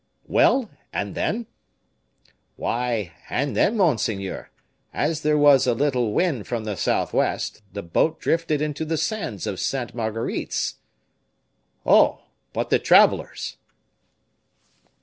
"Well, and then?" "Why, and then, monseigneur, as there was a little wind from the southwest, the boat drifted into the sands of Sainte Marguerite's." "Oh! but the travelers?"